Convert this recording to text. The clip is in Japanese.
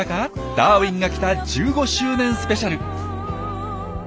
「ダーウィンが来た！」１５周年スペシャル。